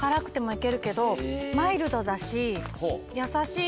けどマイルドだし。